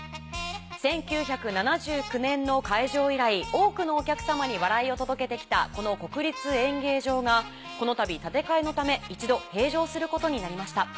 １９７９年の開場以来多くのお客さまに笑いを届けてきたこの国立演芸場がこのたび建て替えのため一度閉場することになりました。